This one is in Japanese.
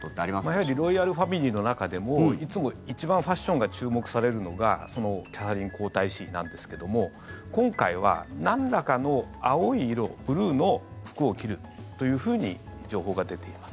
やはりロイヤルファミリーの中でもいつも、一番ファッションが注目されるのがキャサリン皇太子妃なんですけど今回は、なんらかの青い色ブルーの服を着るというふうに情報が出ています。